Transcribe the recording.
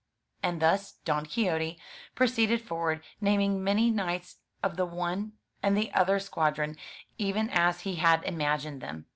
And thus Don Quixote proceeded forward, naming many knights of the one and the other squadron, even as he had imag ined them.